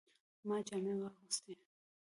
ما جامې واغستې